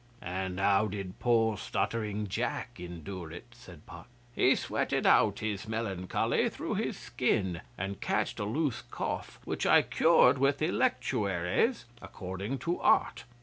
'And how did poor stuttering Jack endure it?' said Puck. 'He sweated out his melancholy through his skin, and catched a loose cough, which I cured with electuaries, according to art.